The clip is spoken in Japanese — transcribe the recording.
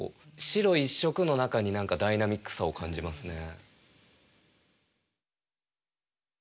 白一色の中に何かダイナミックさを感じますね。